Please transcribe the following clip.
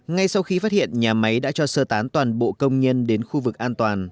ngay sau khi phát hiện nhà máy đã cho sơ tán toàn bộ công nhân đến khu vực an toàn